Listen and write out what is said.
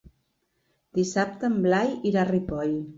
Dissabte en Blai irà a Ripoll.